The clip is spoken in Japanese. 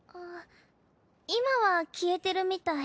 今は消えてるみたい。